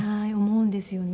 思うんですよね。